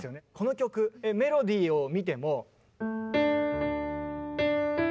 この曲メロディーを見ても。